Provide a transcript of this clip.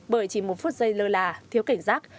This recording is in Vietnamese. bởi chỉ một phút giây lơ là thiếu cảnh giác